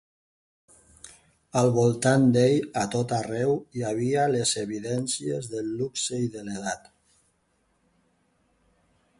Al voltant d'ell, a tot arreu, hi havia les evidències del luxe i de l'edat.